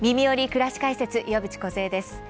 くらし解説」岩渕梢です。